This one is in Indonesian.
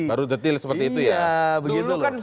baru detail seperti itu ya dulu kan